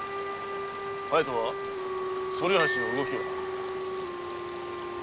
隼人は反橋の動きをな。